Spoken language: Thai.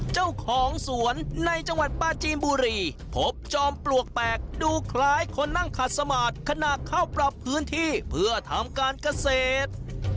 เจ้าของสวนในจังหวัดปลาจีนบุรีพบจอมปลวกแปลกดูคล้ายคนนั่งขัดสมาธิขณะเข้าปรับพื้นที่เพื่อทำการเกษตร